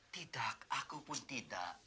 tidak aku pun tidak